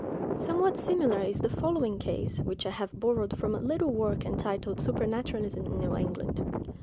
Somewhat similar is the following case, which I have borrowed from a little work entitled "Supernaturalism in New England."